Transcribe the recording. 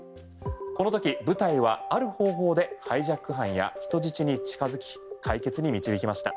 このとき部隊は、ある方法でハイジャック犯や人質に近づき解決に導きました。